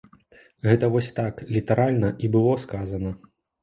Гэта вось так літаральна і было сказана.